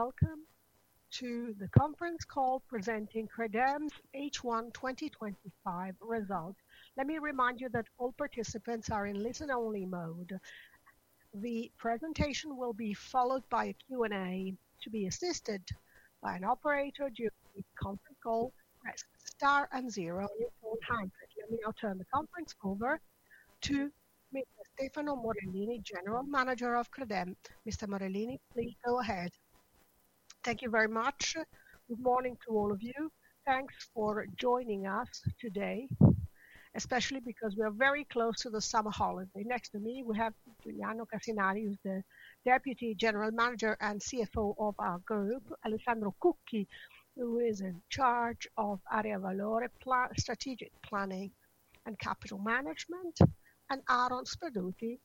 Welcome to the conference call presenting Credem's H1 2025 results. Let me remind you that all participants are in listen-only mode. The presentation will be followed by a Q&A to be assisted by an operator during the conference call. Press star and zero at all times. We now turn the conference over to Mr. Stefano Morellini, General Manager of Credem. Mr. Morellini, please go ahead. Thank you very much. Good morning to all of you. Thanks for joining us today, especially because we are very close to the summer holiday. Next to me, we have Giuliano Cassinadri, who is the Deputy General Manager and CFO of our group, Alessandro Cucchi, who is in charge of Strategic Planning and Capital Management, and Aaron Spadutti,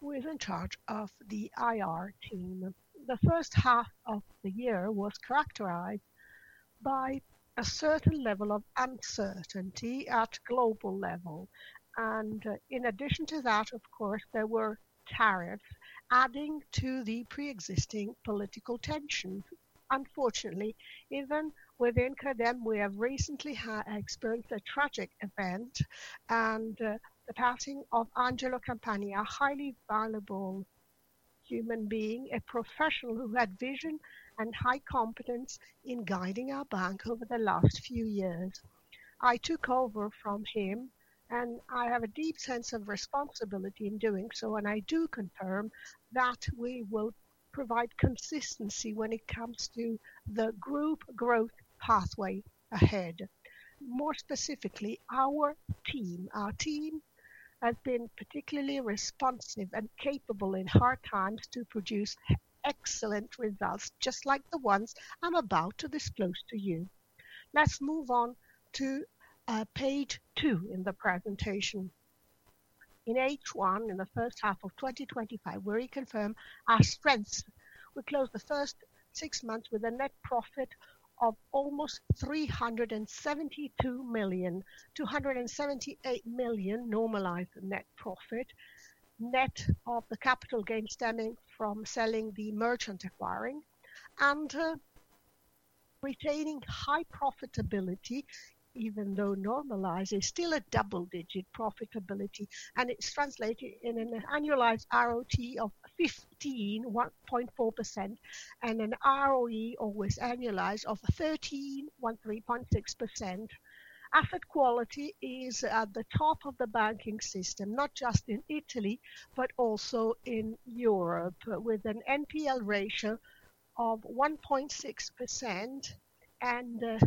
who is in charge of the IR team. The first half of the year was characterized by a certain level of uncertainty at the global level. In addition to that, of course, there were tariffs adding to the pre-existing political tensions. Unfortunately, even within Credem, we have recently experienced a tragic event and the passing of Angelo Campani, a highly valuable human being, a professional who had vision and high competence in guiding our bank over the last few years. I took over from him, and I have a deep sense of responsibility in doing so, and I do confirm that we will provide consistency when it comes to the group growth pathway ahead. More specifically, our team has been particularly responsive and capable in hard times to produce excellent results, just like the ones I'm about to disclose to you. Let's move on to page two in the presentation. In H1, in the first half of 2025, where we confirm our strengths, we close the first six months with a net profit of almost 372 million. 278 million normalized net profit, net of the capital gains stemming from selling the merchant acquiring and retaining high profitability, even though normalized is still a double-digit profitability. It's translated in an annualized ROTE of 15.4% and an ROE always annualized of 13.6%. Asset quality is at the top of the banking system, not just in Italy, but also in Europe, with an NPL ratio of 1.6% and a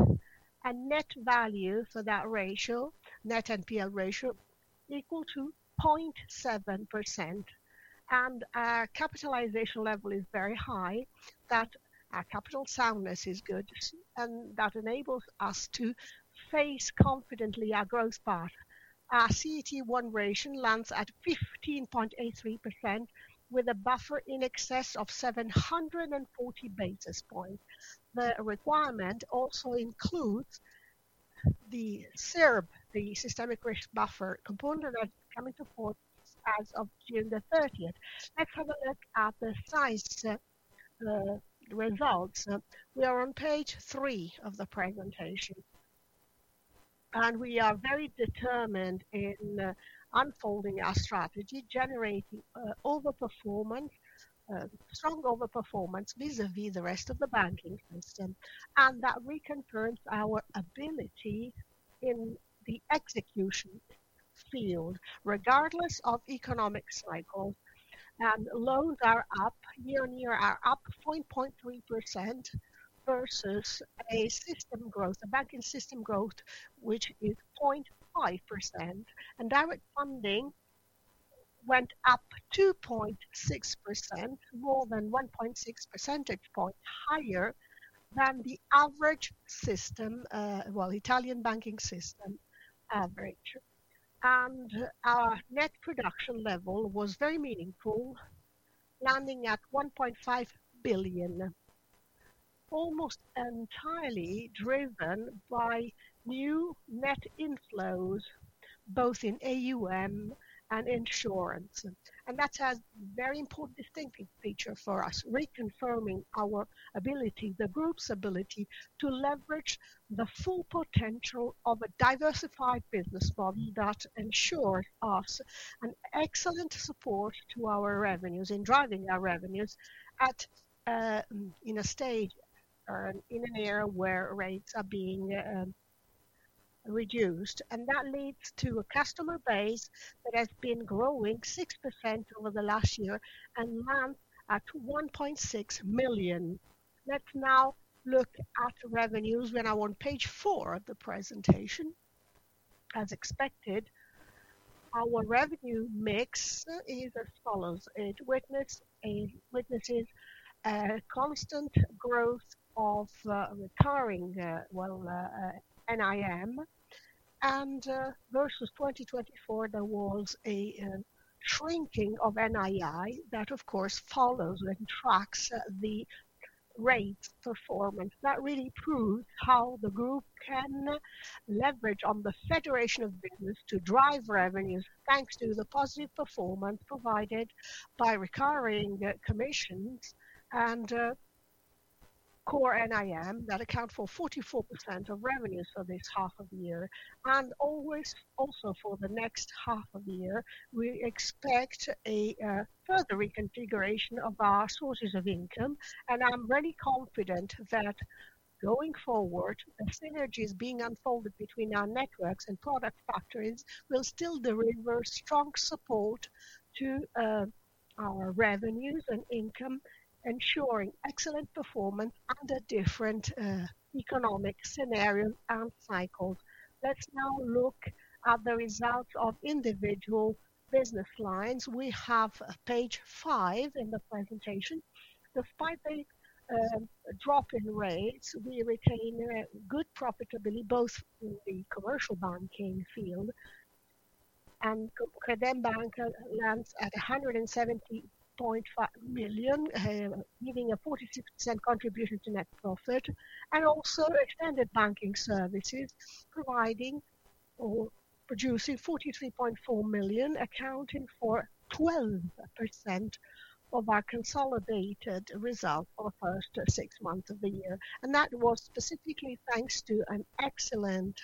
net value for that ratio, net NPL ratio, equal to 0.7%. Our capitalization level is very high, our capital soundness is good, and that enables us to face confidently our growth path. Our CET1 ratio lands at 15.83% with a buffer in excess of 740 basis points. The requirement also includes the SIRB, the systemic risk buffer component that is coming to force as of June 30. Let's have a look at the size of the results. We are on page three of the presentation. We are very determined in unfolding our strategy, generating overperformance, strong overperformance vis-à-vis the rest of the banking system. That reconfirms our ability in the execution field, regardless of economic cycle. Loans are up, year-on-year are up 0.3% versus a system growth, a banking system growth, which is 0.5%. Direct funding went up 2.6%, more than 1.6 percentage points higher than the average system, Italian banking system average. Our net production level was very meaningful, landing at 1.5 billion, almost entirely driven by new net inflows, both in AUM and insurance. That's a very important distinctive feature for us, reconfirming our ability, the group's ability to leverage the full potential of a diversified business model that ensures us an excellent support to our revenues in driving our revenues at a stage, in an era where rates are being reduced. That leads to a customer base that has been growing 6% over the last year and lands at 1.6 million. Let's now look at revenues. We are now on page four of the presentation. As expected, our revenue mix is as follows. It witnesses a constant growth of retiring, NIM. Versus 2024, there was a shrinking of NII that, of course, follows and tracks the rate performance. That really proves how the group can leverage on the federation of business to drive revenues, thanks to the positive performance provided by recurring commissions and core NIM that account for 44% of revenues for this half of the year. Also for the next half of the year, we expect a further reconfiguration of our sources of income. I'm really confident that going forward, synergies being unfolded between our networks and product factories will still deliver strong support to our revenues and income, ensuring excellent performance under different economic scenarios and cycles. Let's now look at the results of individual business lines. We have page five in the presentation. The five-day drop in rates, we retain good profitability both in the commercial banking field. Credem Bank lands at 170.5 million, giving a 42% contribution to net profit. Also, extended banking services provided or produced 43.4 million, accounting for 12% of our consolidated result for the first six months of the year. That was specifically thanks to an excellent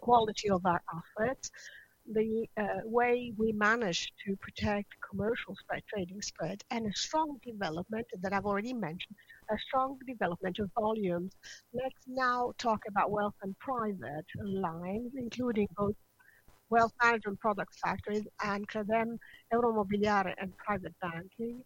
quality of our assets, the way we managed to protect commercial trading spread, and a strong development that I've already mentioned, a strong development of volumes. Let's now talk about wealth and private lines, including both wealth management product factories and Credem Euromobiliare and private banking.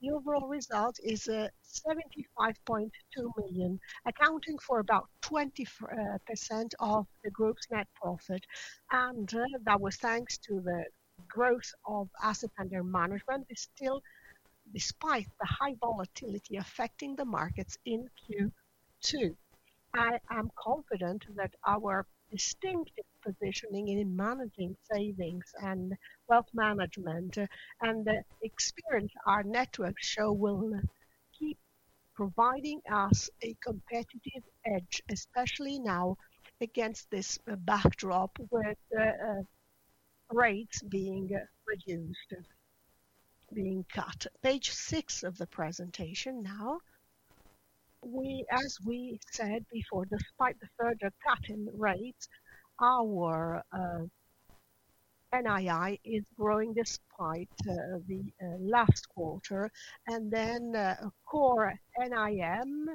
The overall result is 75.2 million, accounting for about 20% of the group's net profit. That was thanks to the growth of asset and their management, despite the high volatility affecting the markets in Q2. I am confident that our distinctive positioning in managing savings and wealth management and the experience our networks show will keep providing us a competitive edge, especially now against this backdrop with rates being reduced, being cut. Page six of the presentation now. As we said before, despite the further cut in rates, our NII is growing despite the last quarter. Core NIM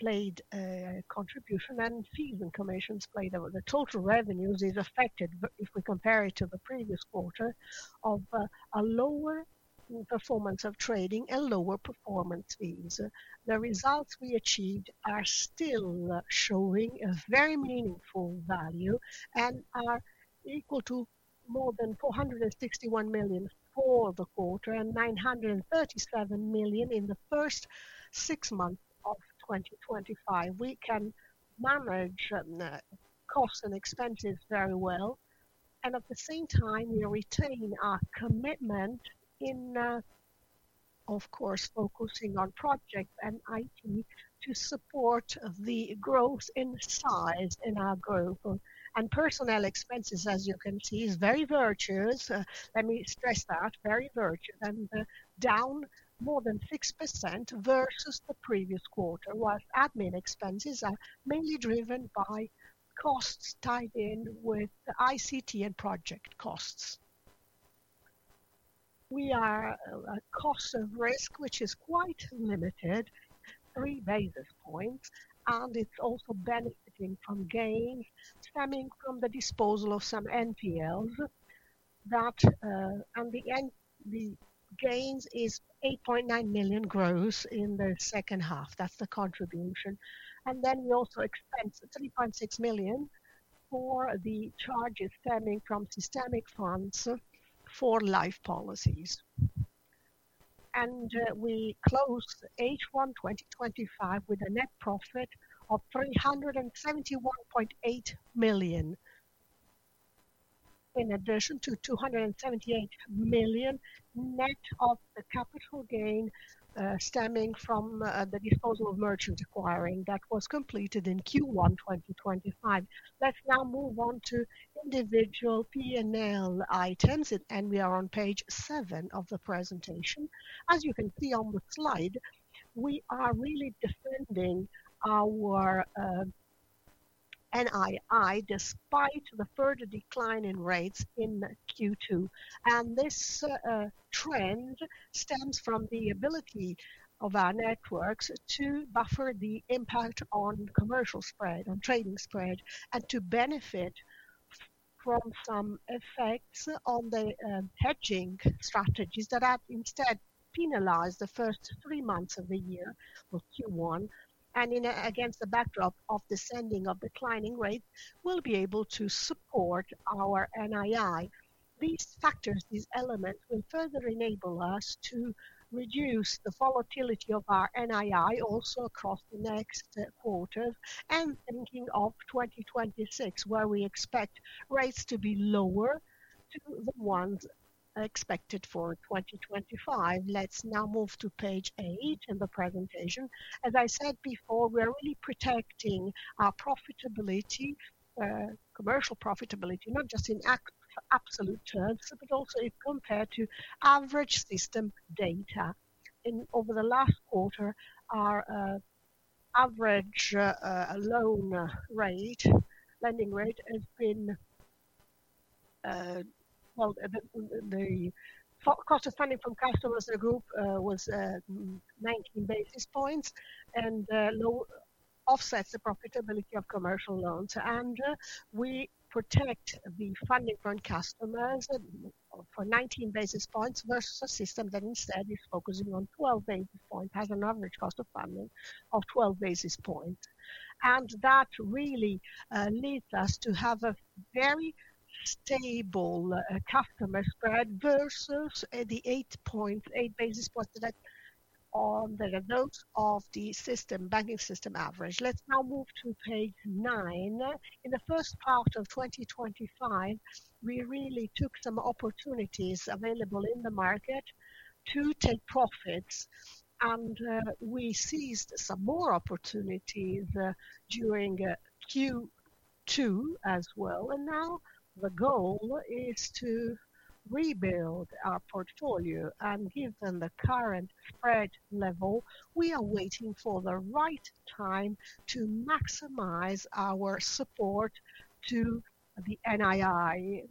played a contribution and season commissions played over the total revenues is affected. If we compare it to the previous quarter of a lower performance of trading and lower performance fees, the results we achieved are still showing a very meaningful value and are equal to more than 461 million for the quarter and 937 million in the first six months of 2025. We can manage costs and expenses very well. At the same time, we retain our commitment in, of course, focusing on projects and IT to support the growth in size in our group. Personnel expenses, as you can see, is very virtuous. Let me stress that, very virtuous, and down more than 6% versus the previous quarter, while admin expenses are mainly driven by costs tied in with the ICT and project costs. We are a cost of risk, which is quite limited, three basis points, and it's also benefiting from gain stemming from the disposal of some NPLs. The gains is 8.9 million gross in the second half. That's the contribution. We also expense 3.6 million for the charges stemming from systemic funds for life policies. We close H1 2025 with a net profit of 371.8 million, in addition to 278 million net of the capital gain stemming from the disposal of merchant acquiring that was completed in Q1 2025. Let's now move on to individual P&L items, and we are on page seven of the presentation. As you can see on the slide, we are really defending our NII despite the further decline in rates in Q2. This trend stems from the ability of our networks to buffer the impact on commercial spread, on trading spread, and to benefit from some effects on the hedging strategies that have instead penalized the first three months of the year for Q1. Against the backdrop of declining rates, we'll be able to support our NII. These factors, these elements will further enable us to reduce the volatility of our NII also across the next quarters and thinking of 2026, where we expect rates to be lower than the ones expected for 2025. Let's now move to page eight in the presentation. As I said before, we're really protecting our profitability, commercial profitability, not just in absolute terms, but also if compared to average system data. Over the last quarter, our average loan rate, lending rate, has been, the cost of spending from customers in the group was 19 basis points and offsets the profitability of commercial loans. We protect the funding from customers for 19 basis points versus a system that instead is focusing on 12 basis points, has an average cost of funding of 12 basis points. That really leads us to have a very stable customer spread versus the 8.8 basis points that are the results of the system banking system average. Let's now move to page nine. In the first half of 2025, we really took some opportunities available in the market to take profits, and we seized some more opportunities during Q2 as well. Now the goal is to rebuild our portfolio and given the current spread level, we are waiting for the right time to maximize our support to the NII.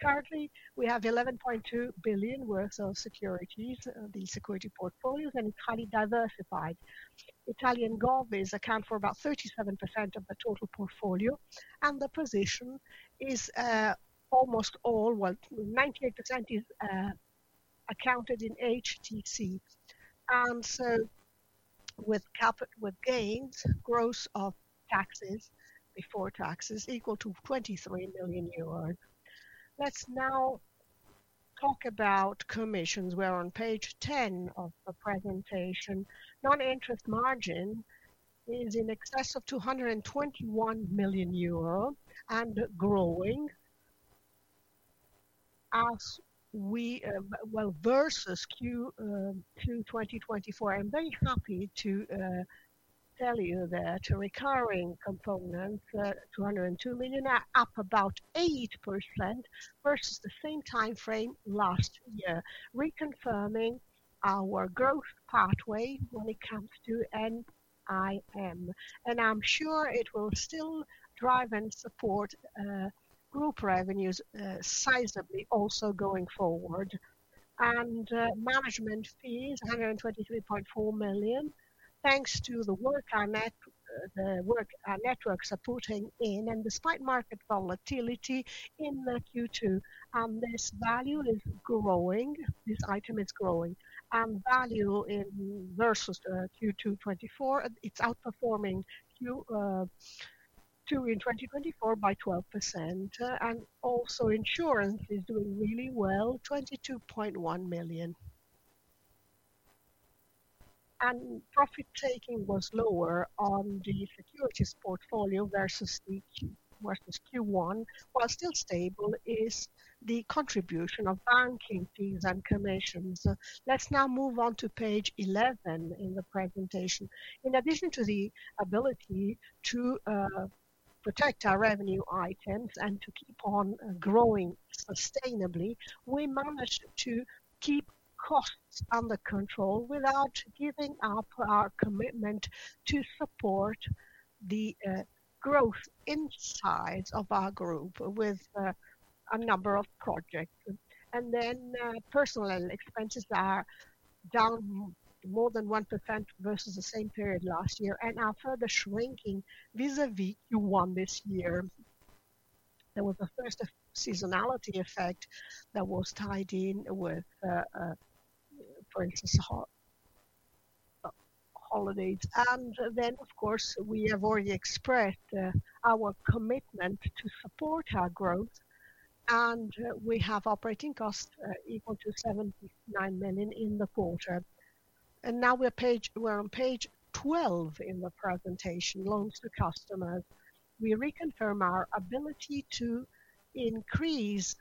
Currently, we have 11.2 billion worth of securities, the security portfolios are highly diversified. Italian Gobis account for about 37% of the total portfolio, and the position is almost all, 98%, is accounted in HTC. With gains, gross of taxes before taxes equal to 23 million euros. Let's now talk about commissions. We're on page 10 of the presentation. Non-interest margin is in excess of 221 million euro and growing versus Q2 2024. I'm very happy to tell you that recurring components, 202 million, are up about 8% versus the same timeframe last year, reconfirming our growth pathway when it comes to NIM. I'm sure it will still drive and support group revenues sizably also going forward. Management fees, 123.4 million, thanks to the work our networks are putting in. Despite market volatility in Q2, this item is growing, and in value versus Q2 2024, it's outperforming Q2 2024 by 12%. Insurance is doing really well, 22.1 million. Profit-taking was lower on the securities portfolio versus Q1, while still stable is the contribution of banking fees and commissions. Let's now move on to page 11 in the presentation. In addition to the ability to protect our revenue items and to keep on growing sustainably, we managed to keep costs under control without giving up our commitment to support the growth inside of our group with a number of projects. Personnel expenses are down more than 1% versus the same period last year and are further shrinking vis-à-vis Q1 this year. There was a first seasonality effect that was tied in with, for instance, holidays. We have already expressed our commitment to support our growth. We have operating costs equal to 79 million in the quarter. Now we're on page 12 in the presentation, loans to customers. We reconfirm our ability to increase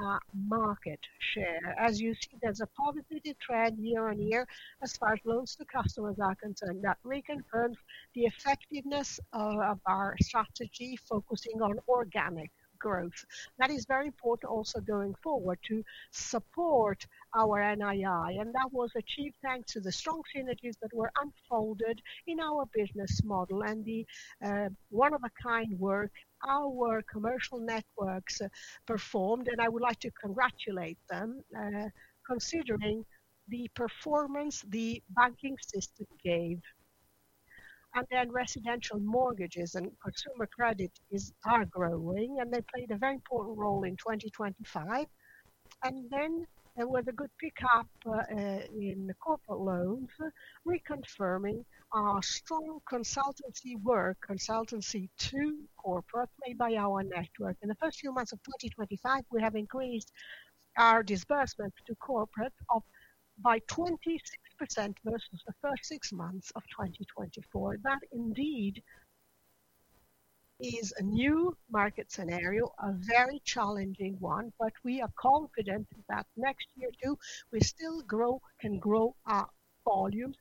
our market share. As you see, there's a positive trend year on year as far as loans to customers are concerned. That reconfirms the effectiveness of our strategy, focusing on organic growth. That is very important also going forward to support our NII. That was achieved thanks to the strong synergies that were unfolded in our business model and the one-of-a-kind work our commercial networks performed. I would like to congratulate them, considering the performance the banking system gave. Residential mortgages and consumer credit are growing, and they played a very important role in 2025. With a good pickup in corporate loans, reconfirming our strong consultancy work, consultancy to corporate made by our network. In the first few months of 2025, we have increased our disbursement to corporate by 26% versus the first six months of 2024. That indeed is a new market scenario, a very challenging one, but we are confident that next year too, we still can grow our volumes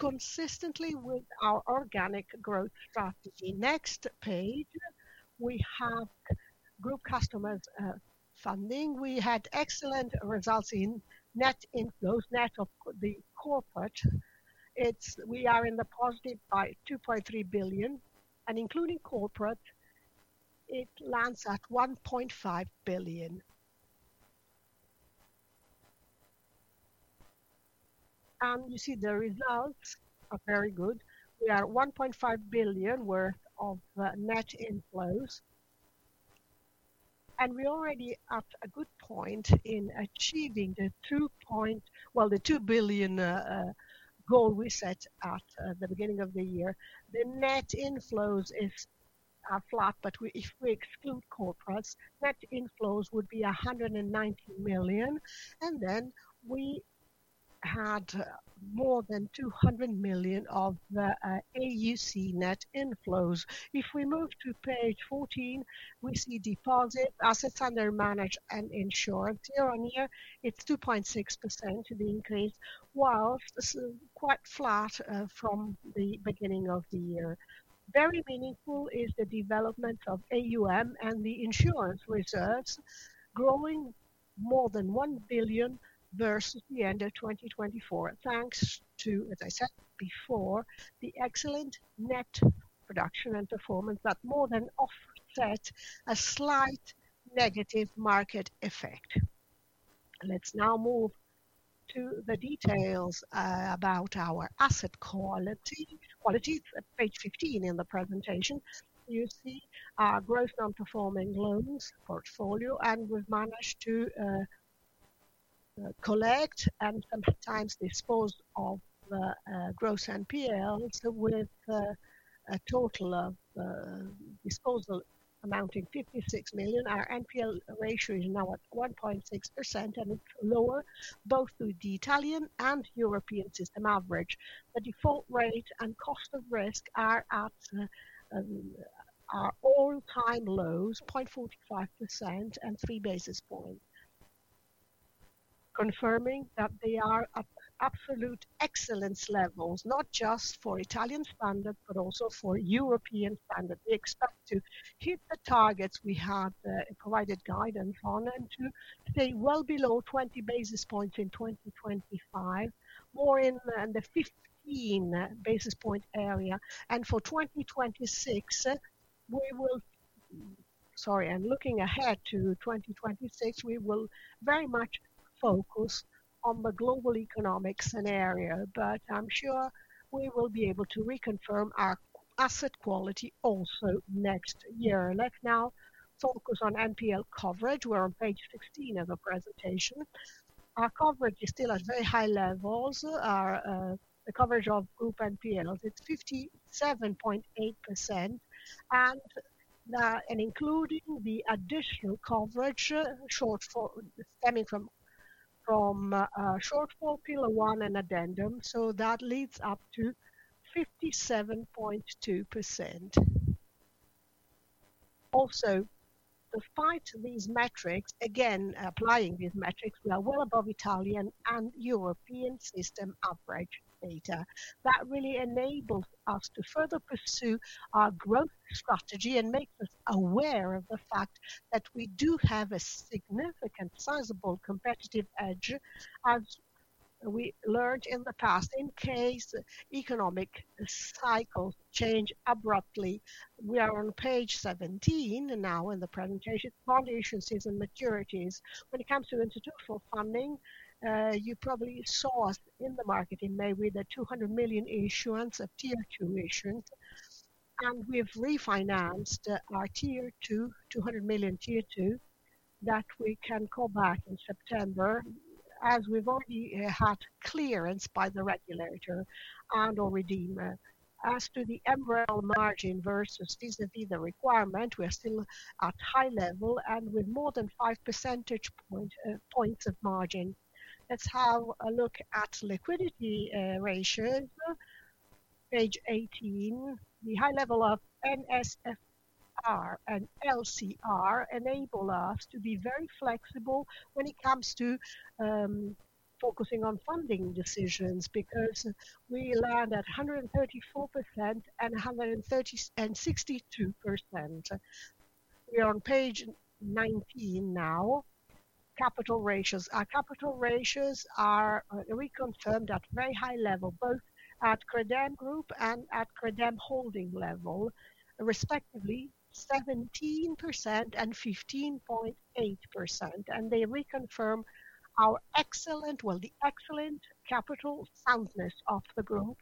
consistently with our organic growth strategy. Next page, we have group customer funding. We had excellent results in net inflows net of the corporate. We are in the positive by 2.3 billion. Including corporate, it lands at 1.5 billion. You see, the results are very good. We are 1.5 billion worth of net inflows, and we're already at a good point in achieving the 2 billion goal we set at the beginning of the year. The net inflows are flat, but if we exclude corporates, net inflows would be 119 million. We had more than 200 million of the AUC net inflows. If we move to page 14, we see deposit, assets under management, and insurance year-on-year. It's 2.6% of the increase, whilst this is quite flat from the beginning of the year. Very meaningful is the development of AUM and the insurance reserves growing more than €1 billion versus the end of 2024. Thanks to, as I said before, the excellent net production and performance, more than offsetting a slight negative market effect. Let's now move to the details about our asset quality. Quality is page 15 in the presentation. You see our gross non-performing loans portfolio, and we've managed to collect and sometimes dispose of gross NPLs with a total of disposal amounting to 56 million. Our NPL ratio is now at 1.6%, and it's lower both to the Italian and European system average. The default rate and cost of risk are at our all-time lows, 0.45% and 3 basis points, confirming that they are at absolute excellence levels, not just for Italian standard, but also for European standard. We expect to hit the targets we had provided guidance on and to stay well below 20 basis points in 2025, more in the 15 basis point area. For 2026, we will very much focus on the global economic scenario. I'm sure we will be able to reconfirm our asset quality also next year. Let's now focus on NPL coverage. We're on page 16 of the presentation. Our coverage is still at very high levels. The coverage of group NPL is 57.8%. Including the additional coverage stemming from shortfall pillar one and addendum, that leads up to 57.2%. Also, despite these metrics, again, applying these metrics, we are well above Italian and European system average data. That really enables us to further pursue our growth strategy and makes us aware of the fact that we do have a significant sizable competitive edge, as we learned in the past, in case economic cycles change abruptly. We are on page 17 now in the presentation, foundations, and maturities. When it comes to institutional funding, you probably saw us in the market in May with a 200 million issuance, a Tier 2 issuance. We've refinanced our Tier 2, 200 million Tier 2, that we can call back in September, as we've only had clearance by the regulator and/or redeemer. As to the umbrella margin versus the requirement, we are still at high level and with more than 5% of margin. Let's have a look at liquidity ratios, page 18. The high level of NSFR and LCR enable us to be very flexible when it comes to focusing on funding decisions because we land at 134% and 162%. We are on page 19 now. Capital ratios. Our capital ratios are reconfirmed at very high level, both at Credito Emiliano Group and at Credito Emiliano Holding level, respectively 17% and 15.8%. They reconfirm our excellent, well, the excellent capital soundness of the group,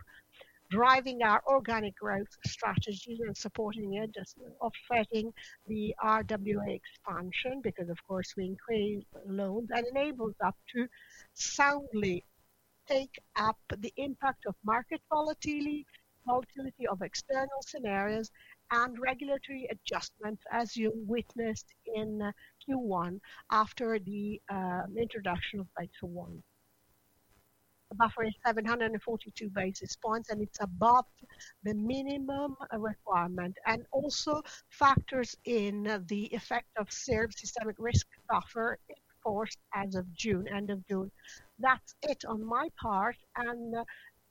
driving our organic growth strategy and supporting it, just offsetting the RWA expansion because, of course, we increase loans and enables us to soundly take up the impact of market volatility, volatility of external scenarios, and regulatory adjustments, as you witnessed in Q1 after the introduction of phase one. The buffer is 742 basis points, and it's above the minimum requirement. It also factors in the effect of the systemic risk buffer enforced as of end of June. That's it on my part.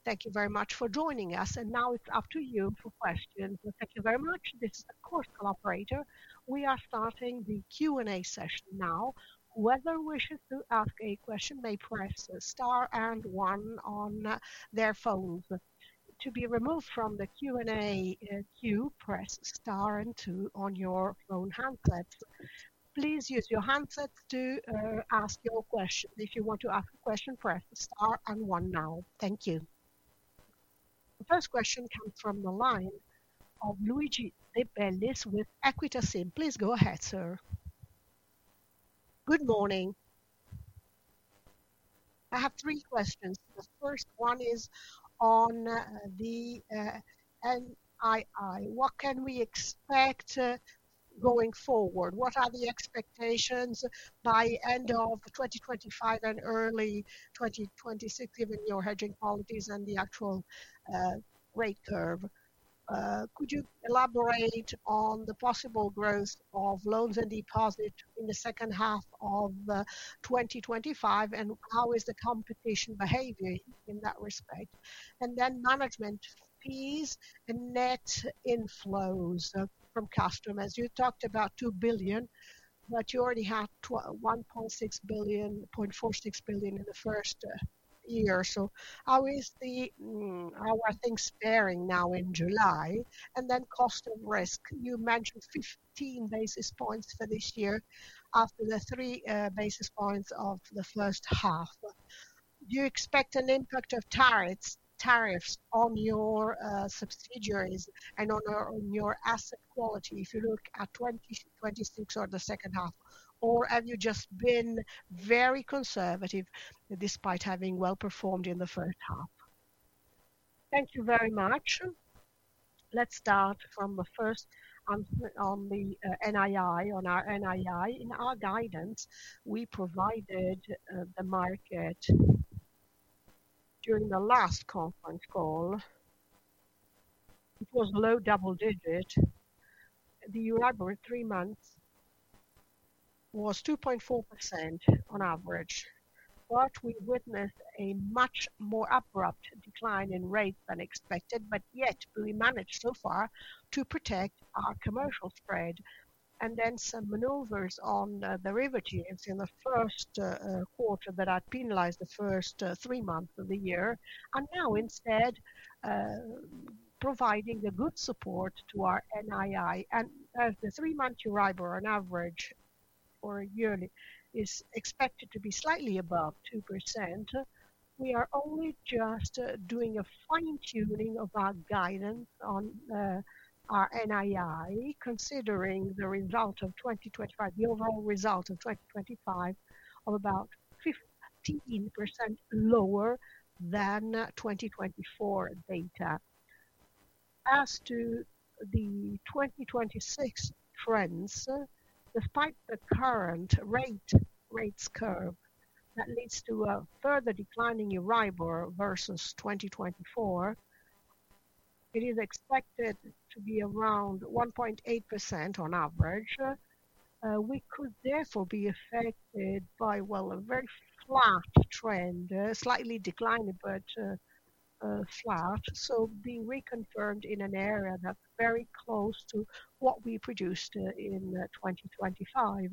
Thank you very much for joining us. Now it's up to you for questions. Thank you very much. This is the course collaborator. We are starting the Q&A session now. Whoever wishes to ask a question, please press star and one on their phones. To be removed from the Q&A queue, press star and two on your phone handsets. Please use your handsets to ask your question. If you want to ask a question, press star and one now. Thank you. The first question comes from the line of Luigi de Bellis with Equita SIM. Please go ahead, sir. Good morning. I have three questions. The first one is on the NII. What can we expect going forward? What are the expectations by the end of 2025 and early 2026, given your hedging policies and the actual rate curve? Could you elaborate on the possible growth of loans and deposits in the second half of 2025, and how is the competition behaving in that respect? Then management fees and net inflows from customers. You talked about 2 billion, but you already had 1.6 billion, 0.46 billion in the first year. How are things faring now in July? Then cost of risk. You mentioned 15 basis points for this year after the three basis points of the first half. Do you expect an impact of tariffs on your subsidiaries and on your asset quality if you look at 2026 or the second half? Or have you just been very conservative despite having well performed in the first half? Thank you very much. Let's start from the first on the NII, on our NII. In our guidance, we provided the market during the last conference call. It was low double-digit. The Euribor three months was 2.4% on average. We witnessed a much more abrupt decline in rates than expected, yet we managed so far to protect our commercial spread. There were some maneuvers on derivatives in the first quarter that had penalized the first three months of the year. Now instead, they are providing good support to our NII. As the three-month Euribor on average yearly is expected to be slightly above 2%, we are only just doing a fine-tuning of our guidance on our NII, considering the result of 2025, the overall result of 2025 of about 15% lower than 2024 data. As to the 2026 trends, despite the current rate curve that leads to a further declining Euribor versus 2024, it is expected to be around 1.8% on average. We could therefore be affected by a very flat trend, slightly declining, but flat. It is being reconfirmed in an area that's very close to what we produced in 2025.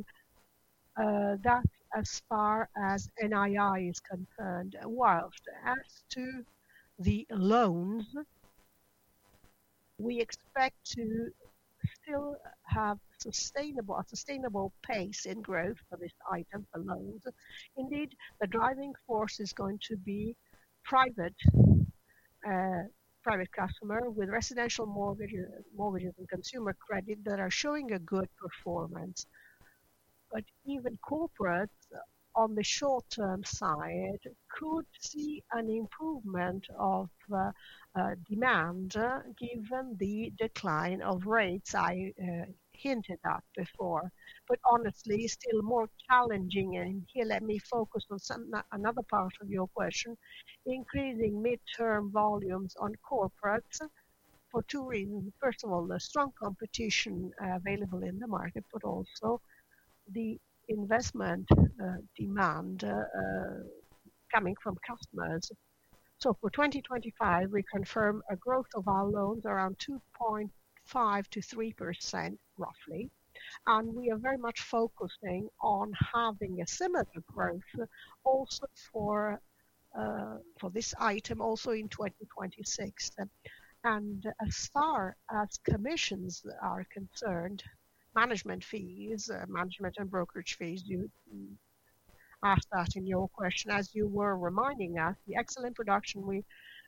That's as far as NII is concerned. Whilst as to the loans, we expect to still have a sustainable pace in growth for this item, for loans. Indeed, the driving force is going to be private customers with residential mortgages and consumer credit that are showing a good performance. Even corporates on the short-term side could see an improvement of demand given the decline of rates I hinted at before. Honestly, still more challenging. Let me focus on another part of your question, increasing midterm volumes on corporates for two reasons. First of all, the strong competition available in the market, but also the investment demand coming from customers. For 2025, we confirm a growth of our loans around 2.5%-3% roughly. We are very much focusing on having a similar growth also for this item also in 2026. As far as commissions are concerned, management fees, management and brokerage fees, you asked that in your question. As you were reminding us, the excellent production we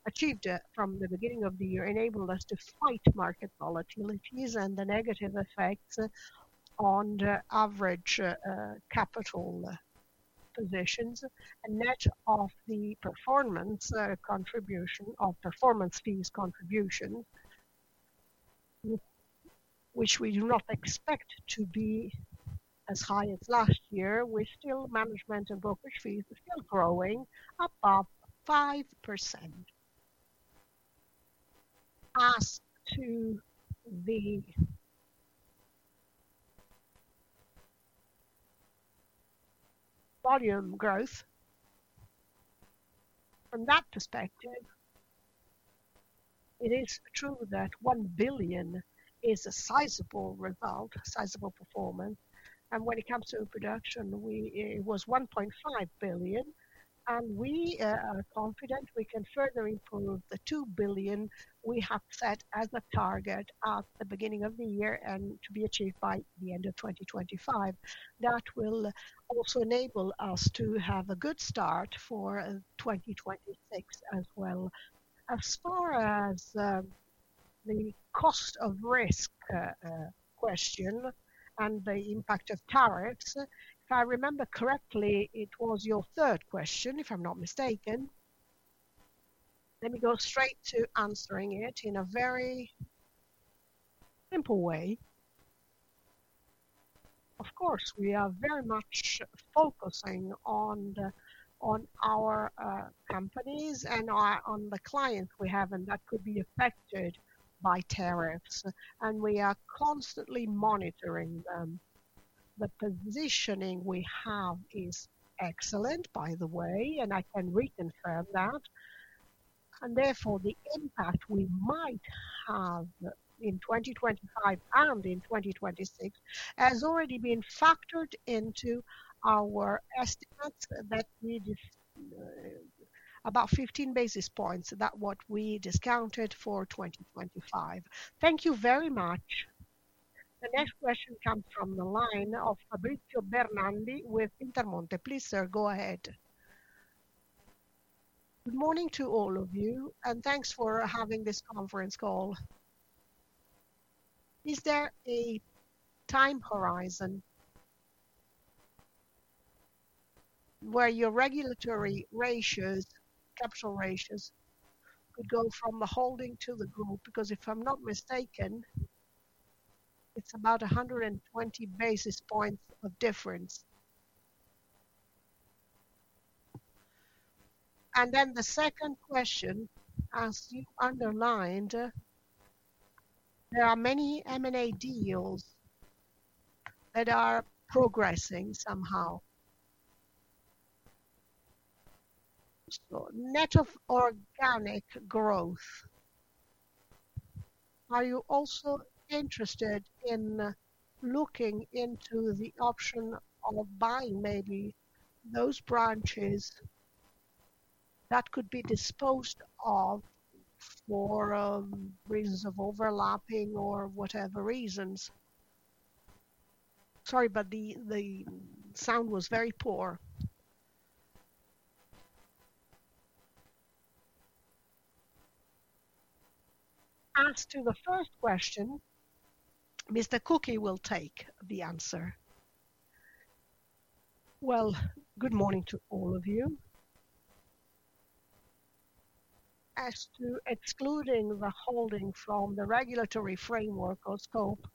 achieved from the beginning of the year enabled us to fight market volatilities and the negative effects on the average capital positions. Net of the performance contribution of performance fees contribution, which we do not expect to be as high as last year, management and brokerage fees are still growing above 5%. As to the volume growth, from that perspective, it is true that 1 billion is a sizable result, sizable performance. When it comes to production, it was 1.5 billion. We are confident we can further improve the 2 billion we have set as a target at the beginning of the year and to be achieved by the end of 2025. That will also enable us to have a good start for 2026 as well. As far as the cost of risk question and the impact of tariffs if I remember correctly, it was your third question, if I'm not mistaken. Let me go straight to answering it in a very simple way. Of course, we are very much focusing on our companies and on the clients we have, and that could be affected by tariffs. We are constantly monitoring them. The positioning we have is excellent, by the way, and I can reconfirm that. Therefore, the impact we might have in 2025 and in 2026 has already been factored into our estimates, about 15 basis points that we discounted for 2025. Thank you very much. The next question comes from the line of Fabrizio Bernandi with Intermonte. Please, sir, go ahead. Good morning to all of you, and thanks for having this conference call. Is there a time horizon where your regulatory ratios, capital ratios, would go from the holding to the group? If I'm not mistaken, it's about 120 basis points of difference. The second question, as you underlined, there are many M&A deals that are progressing somehow. Net of organic growth, are you also interested in looking into the option of buying maybe those branches that could be disposed of for reasons of overlapping or whatever reasons? Sorry, but the sound was very poor. As to the first question, Mr. Cucchi will take the answer. Good morning to all of you. As to excluding the holding from the regulatory framework or scope,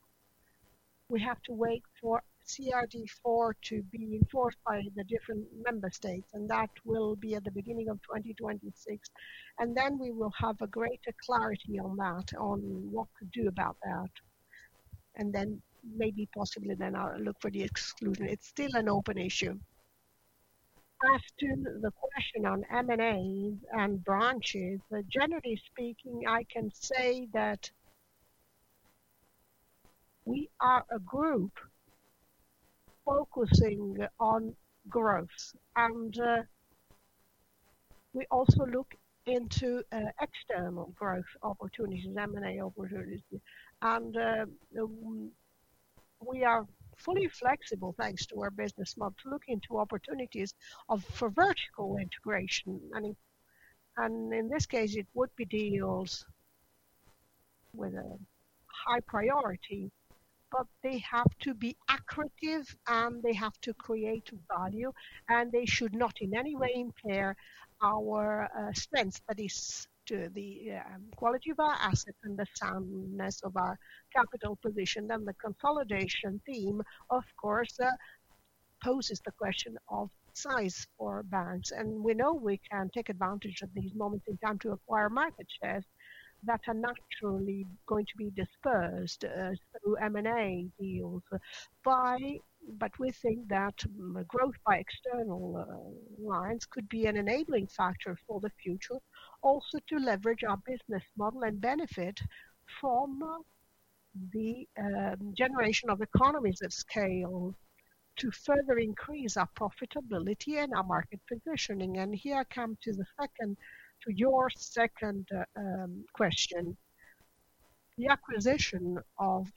we have to wait for CRD IV to be enforced by the different member states, and that will be at the beginning of 2026. We will have greater clarity on that, on what to do about that. Maybe possibly then I'll look for the exclusion. It's still an open issue. As to the question on M&A and branches, generally speaking, I can say that we are a group focusing on growth. We also look into external growth opportunities, M&A opportunities. We are fully flexible, thanks to our business models, to look into opportunities for vertical integration. In this case, it would be deals with a high priority, but they have to be accurate and they have to create value. They should not in any way impair our strengths, that is to the quality of our assets and the soundness of our capital position. The consolidation theme, of course, poses the question of size for banks. We know we can take advantage of these moments in time to acquire market shares that are naturally going to be dispersed through M&A deals. We think that growth by external lines could be an enabling factor for the future, also to leverage our business model and benefit from the generation of economies of scale to further increase our profitability and our market positioning. Here I come to your second question. The acquisition of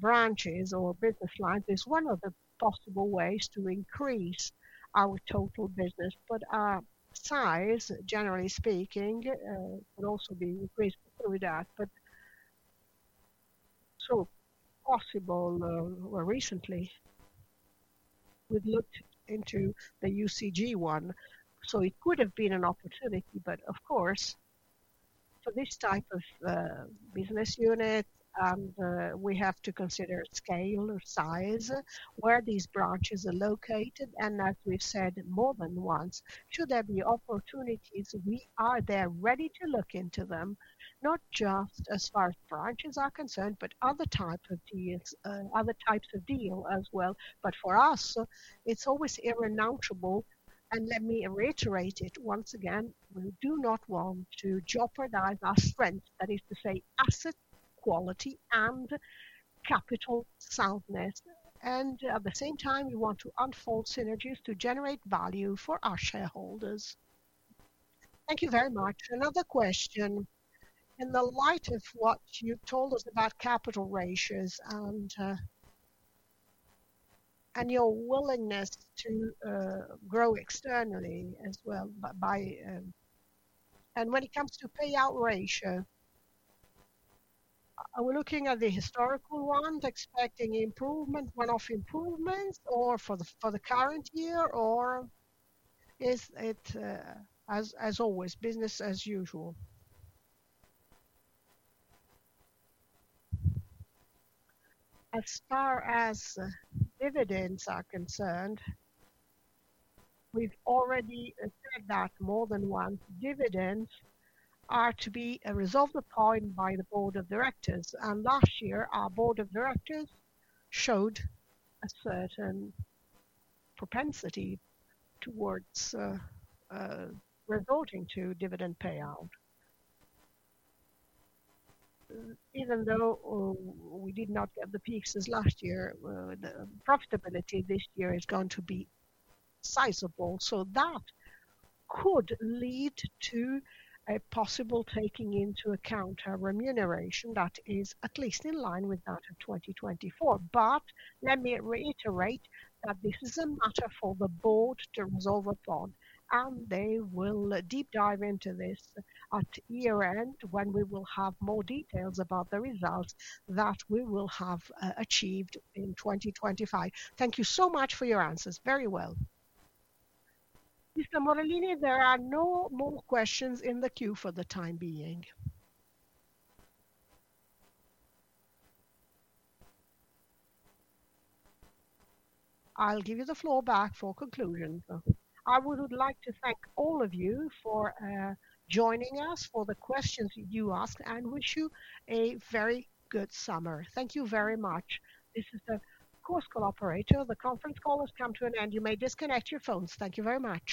branches or business lines is one of the possible ways to increase our total business. Our size, generally speaking, could also be increased through that. Recently we've looked into the UCG one. It could have been an opportunity. Of course, for this type of business unit, we have to consider its scale and size, where these branches are located. As we've said more than once, should there be opportunities, we are there ready to look into them, not just as far as branches are concerned, but other types of deals as well. For us, it's always irremarkable. Let me reiterate it once again. We do not want to jeopardize our strengths, that is to say asset quality and capital soundness. At the same time, we want to unfold synergies to generate value for our shareholders. Thank you very much. Another question. In the light of what you told us about capital ratios and your willingness to grow externally as well. When it comes to payout ratio, are we looking at the historical ones, expecting improvement, one-off improvements, or for the current year, or is it, as always, business as usual? As far as dividends are concerned, we've already said that more than once. Dividends are to be a resolved point by the Board of Directors. Last year, our Board of Directors showed a certain propensity towards resorting to dividend payout. Even though we did not get the peaks as last year, the profitability this year is going to be sizable. That could lead to a possible taking into account our remuneration that is at least in line with that of 2024. Let me reiterate that this is a matter for the Board to resolve upon. They will deep dive into this at year-end when we will have more details about the results that we will have achieved in 2025. Thank you so much for your answers. Very well. Mr. Morellini, there are no more questions in the queue for the time being. I'll give you the floor back for conclusion. I would like to thank all of you for joining us for the questions that you asked and wish you a very good summer. Thank you very much. This is the course collaborator. The conference call has come to an end. You may disconnect your phones. Thank you very much.